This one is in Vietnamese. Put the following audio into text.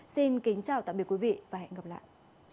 xin kính chào tạm biệt quý vị và hẹn gặp lại